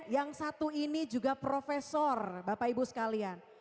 yang satu ini juga profesor bapak ibu sekalian